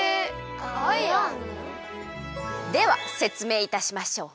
ではせつめいいたしましょう。